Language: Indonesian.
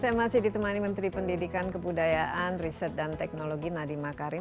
saya masih ditemani menteri pendidikan kebudayaan riset dan teknologi nadiem makarim